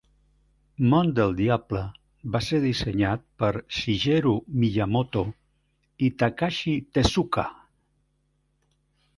"Món del Diable" va ser dissenyat per Shigeru Miyamoto i Takashi Tezuka.